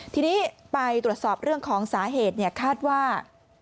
ทีนี้ไปตรวจสอบเรื่องของสาเหตุคาดว่า